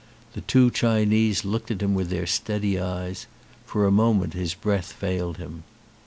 The two Chinese looked at him with their steady eyes. For a moment his breath failed him.